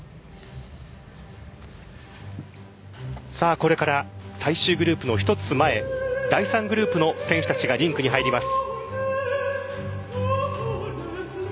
これから最終グループの１つ前第３グループの選手たちがリンクに入ります。